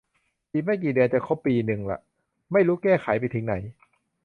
อีกไม่กี่เดือนจะครบปีนึงละ ไม่รู้แก้ไขไปถึงไหน